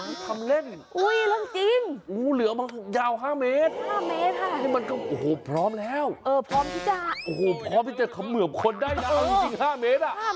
อุ๊ยเรื่องจริงงูเหลือมายาว๕เมตรพร้อมแล้วพร้อมที่จะเขมือบคนได้ยาวจริง๕เมตร